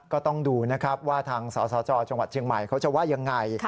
ก็ต้องดูนะครับว่าทางสสจจังหวัดเชียงใหม่เขาจะว่ายังไง